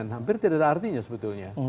hampir tidak ada artinya sebetulnya